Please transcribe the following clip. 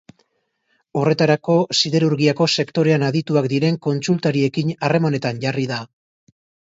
Horretarako siderurgiako sektorean adituak diren kontsultariekin harremanetan jarri da.